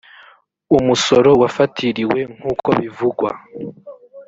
umusoro wafatiriwe nk uko bivugwa